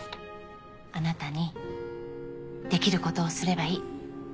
あなたにできる事をすればいい。